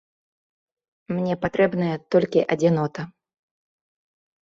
Мне патрэбная толькі адзінота.